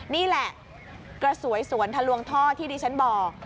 นี่แหละกระสวยสวนทะลวงท่อที่ดิฉันบอก